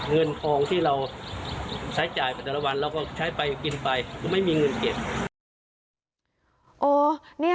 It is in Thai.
เงินทองที่เราใช้จ่ายไปแต่ละวันเราก็ใช้ไปกินไปหรือไม่มีเงินเก็บ